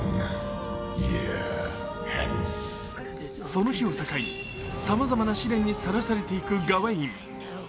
その日を境に、さまざまな試練にさらされていくガウェイン。